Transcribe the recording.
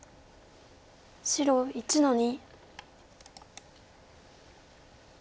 白１の二。